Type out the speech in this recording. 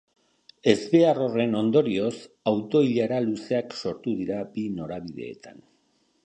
Ezbehar horren ondorioz, auto-ilara luzeak sortu dira bi norabideetan.